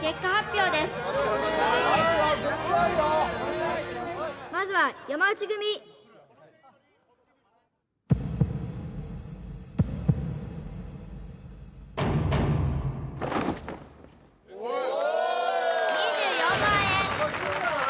結果発表ですまずは山内組２４万円！